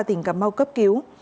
tỉnh cà mau cấp cứu